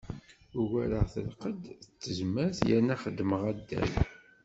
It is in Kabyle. Ugareɣ-t lqedd d tezmert yerna xeddmeɣ addal.